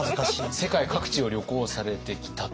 世界各地を旅行されてきたと。